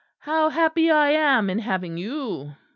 How happy I am in having you!'